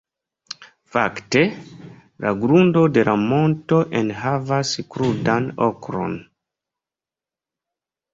Fakte, la grundo de la monto enhavas krudan okron.